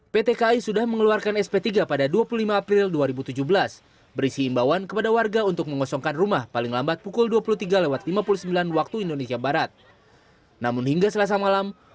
pt kai sudah mengeluarkan sp tiga pada dua puluh lima april